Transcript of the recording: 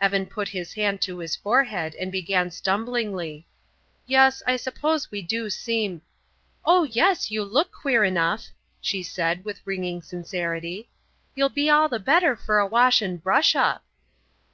Evan put his hand to his forehead and began stumblingly: "Yes, I suppose we do seem " "Oh, yes, you look queer enough," she said, with ringing sincerity. "You'll be all the better for a wash and brush up."